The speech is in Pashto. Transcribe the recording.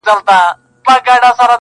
پلار یې وکړه ورته ډېر نصیحتونه,